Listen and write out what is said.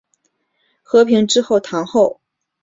和平之后堂后。